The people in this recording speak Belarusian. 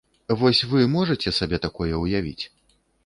Вось вы можаце сабе такое ўявіць?